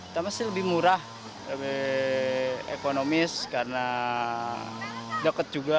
tambah sih lebih murah lebih ekonomis karena deket juga